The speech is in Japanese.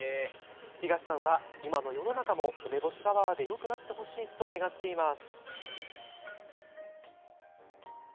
東さんは、今の世の中も梅干しパワーでよくなってほしいと願っています。